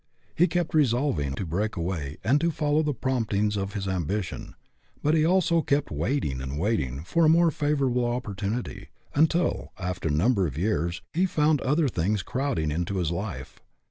He kept resolving to break away and to follow the promptings of his ambition, but he also kept waiting and waiting for a more favorable opportunity, un til, after a number of years, he found other things crowding into his life.